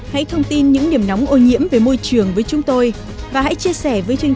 hãy thông tin những điểm nóng ô nhiễm về môi trường với chúng tôi và hãy chia sẻ với chương